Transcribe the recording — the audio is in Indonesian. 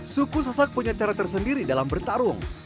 suku sasak punya cara tersendiri dalam bertarung